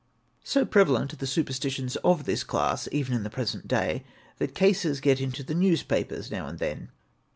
So prevalent are superstitions of this class even in the present day that cases get into the newspapers now and then.